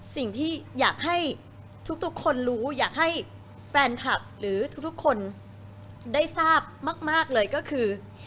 สิ่งที่อยากให้ทุกคนรู้อยากให้แฟนคลับหรือทุกคนได้ทราบมากเลยก็คือ